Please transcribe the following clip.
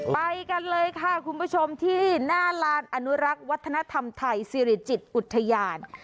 ไปกันเลยค่ะคุณผู้ชมที่หน้าลานอนุรักษ์วัฒนธรรมไทยสิริจิตอุทยาน